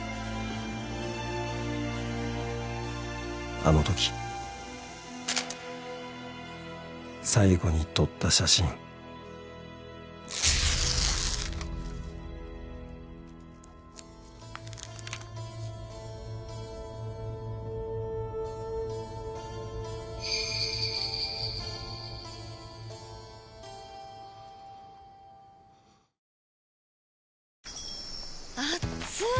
あのとき最後に撮った写真あっつい！